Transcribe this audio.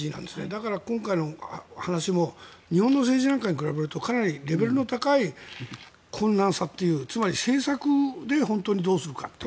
だから今回の話も日本の政治なんかに比べるとかなりレベルの高い困難さというつまり政策で本当にどうするかという。